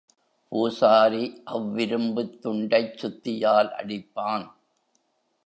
பூசாரி அவ்விரும்புத் துண்டைச் சுத்தியால் அடிப்பான்.